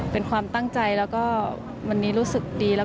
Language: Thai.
เป็นความตั้งใจและวันนี้รู้สึกดี